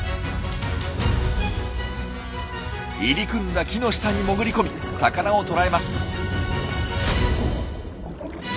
入り組んだ木の下に潜り込み魚を捕らえます。